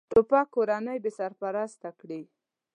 توپک کورنۍ بېسرپرسته کړي.